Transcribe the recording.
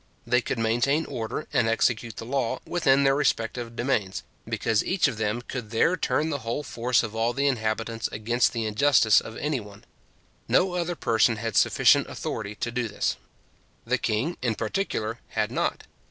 They could maintain order, and execute the law, within their respective demesnes, because each of them could there turn the whole force of all the inhabitants against the injustice of anyone. No other person had sufficient authority to do this. The king, in particular, had not.